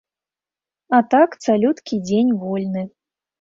А так цалюткі дзень вольны.